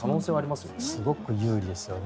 すごく有利ですよね。